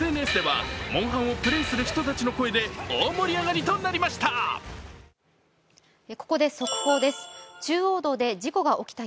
ＳＮＳでは、モンハンをプレーする人たちの声で大盛り上がりとなりました。